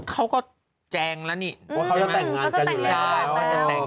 เขาก็แจงว่าเขาจะแต่งงานกันอยู่แล้ว